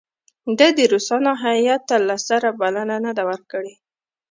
ده د روسانو هیات ته له سره بلنه نه ده ورکړې.